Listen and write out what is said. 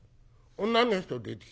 女の人出てきたよ。